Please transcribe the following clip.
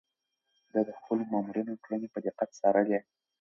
ده د خپلو مامورينو کړنې په دقت څارلې.